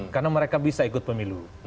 karena mereka bisa ikut pemilu